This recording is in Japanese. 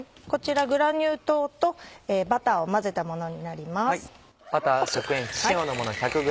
こちらグラニュー糖とバターを混ぜたものになります。